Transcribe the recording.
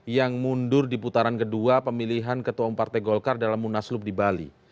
yang mundur di putaran kedua pemilihan ketua umum partai golkar dalam munaslup di bali